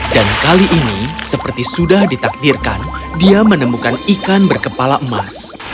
dan kali ini seperti sudah ditakdirkan dia menemukan ikan berkepala emas